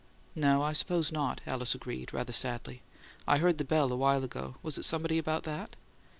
"No, I suppose not," Alice agreed, rather sadly. "I heard the bell awhile ago. Was it somebody about that?"